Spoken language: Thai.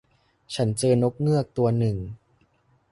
ฉันเจอนกเงือกตัวหนึ่ง